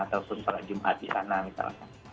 atau salat jumat di sana misalnya